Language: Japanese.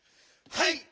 はい！